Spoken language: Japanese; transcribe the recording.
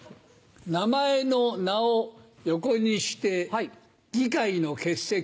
名前の「名」を横にして議会の欠席。